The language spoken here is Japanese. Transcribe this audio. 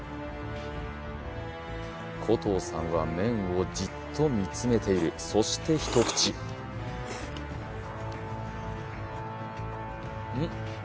古藤さんは麺をじっと見つめているそして一口ん！？